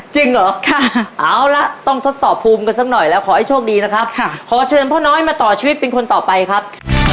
จริงเหรอเอาละต้องทดสอบภูมิกันสักหน่อยแล้วขอให้โชคดีนะครับขอเชิญพ่อน้อยมาต่อชีวิตเป็นคนต่อไปครับ